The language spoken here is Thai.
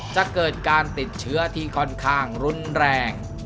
จะเกิดการติดเชื้อที่ค่อนข้างรุนแรง